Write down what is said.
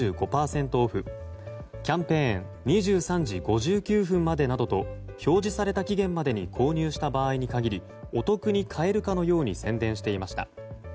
オフキャンペーン２３時５９分までなどと表示された期限までに購入した場合に限りお得に買えるかのように宣伝していました。